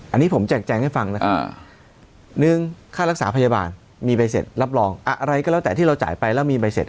อันนี้ผมแจกแจงให้ฟังนะ๑ค่ารักษาพยาบาลมีใบเสร็จรับรองอะไรก็แล้วแต่ที่เราจ่ายไปแล้วมีใบเสร็จ